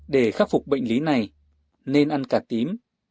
để khắc phục bệnh lý này nên ăn cả tím